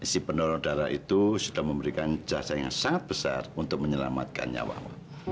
si pendorong darah itu sudah memberikan jasa yang sangat besar untuk menyelamatkan nyawamu